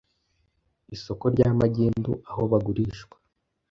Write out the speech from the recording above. isoko rya magendu aho bagurishwa